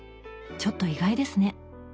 ちょっと意外ですね。